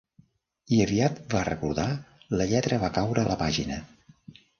I aviat, va recordar, la lletra va caure a la pàgina.